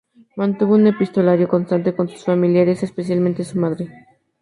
Mantuvo un epistolario constante con sus familiares, especialmente su madre.